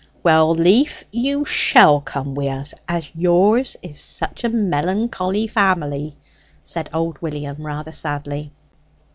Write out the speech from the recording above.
"Well, Leaf, you shall come wi' us as yours is such a melancholy family," said old William rather sadly.